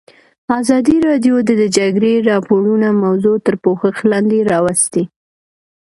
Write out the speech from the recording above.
ازادي راډیو د د جګړې راپورونه موضوع تر پوښښ لاندې راوستې.